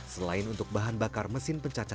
selain untuk bahan bakar mesin bencecah sampah